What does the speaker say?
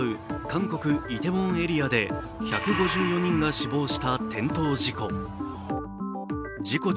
韓国・イテウォンエリアで１５４人が死亡した転倒事故。